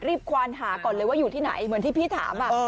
ควานหาก่อนเลยว่าอยู่ที่ไหนเหมือนที่พี่ถาม